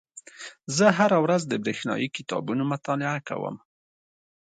زه هره ورځ د بریښنایي کتابونو مطالعه کوم.